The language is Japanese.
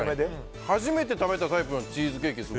初めて食べたタイプのチーズケーキです。